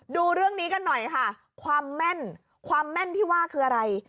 ดูเรื่องนี้กันหน่อยค่ะความแม่นความแม่นที่ว่าคืออะไร